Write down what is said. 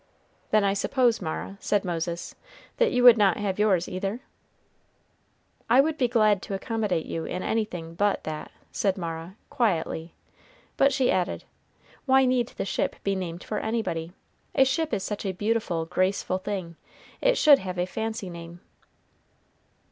"Then I suppose, Mara," said Moses, "that you would not have yours either?" "I would be glad to accommodate you in anything but that," said Mara, quietly; but she added, "Why need the ship be named for anybody? A ship is such a beautiful, graceful thing, it should have a fancy name."